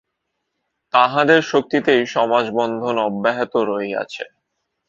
তাঁহাদের শক্তিতেই সমাজ-বন্ধন অব্যাহত রহিয়াছে।